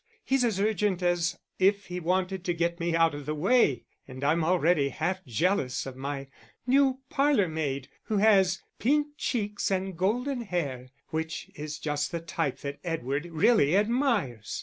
He's as urgent as if he wanted to get me out of the way, and I'm already half jealous of my new parlour maid, who has pink cheeks and golden hair which is just the type that Edward really admires.